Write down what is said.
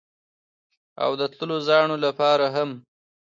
او د تللو زاڼو لپاره هم